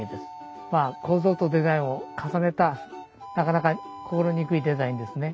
まあ構造とデザインを重ねたなかなか心憎いデザインですね。